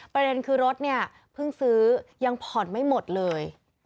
ประเด็นคือรถเนี่ยเพิ่งซื้อยังผ่อนไม่หมดเลย